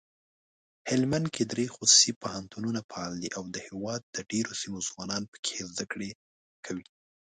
هلمندکې دري خصوصي پوهنتونونه فعال دي اودهیواد دډیروسیمو ځوانان پکښي زده کړه کوي.